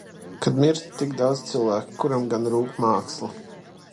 Kad mirst tik daudz cilvēku, kuram gan rūp māksla?